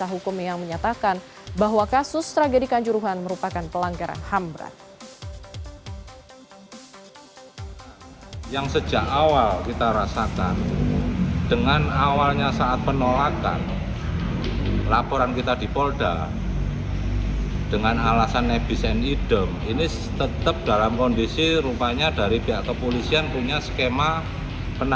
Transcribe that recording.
pesah hukum yang menyatakan bahwa kasus tragedikan juruhan merupakan pelanggaran hambra